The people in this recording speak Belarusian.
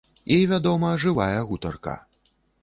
І вядома, жывая гутарка.